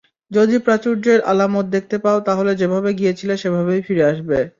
যদি প্রাচুর্যের আলামত দেখতে পাও তাহলে যেভাবে গিয়েছিলে সেভাবেই ফিরে আসবে।